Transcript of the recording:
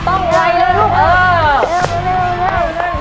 ต้องไวเลยลูกเออ